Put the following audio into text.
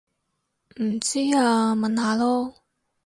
唔知啊問下囉